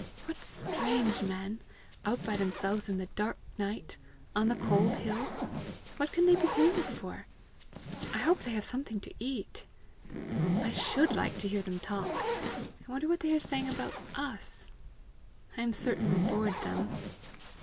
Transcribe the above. What strange men out by themselves in the dark night, on the cold hill! What can they be doing it for? I hope they have something to eat! I SHOULD like to hear them talk! I wonder what they are saying about US! I am certain we bored them!"